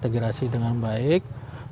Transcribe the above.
bagi pak jeka